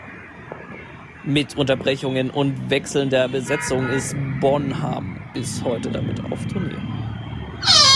Mit Unterbrechungen und wechselnder Besetzung ist Bonham bis heute damit auf Tournee.